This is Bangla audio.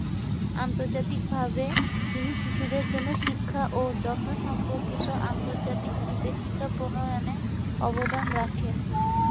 আন্তর্জাতিকভাবে, তিনি শিশুদের জন্য শিক্ষা ও যত্ন সম্পর্কিত আন্তর্জাতিক নির্দেশিকা প্রণয়নে অবদান রাখেন।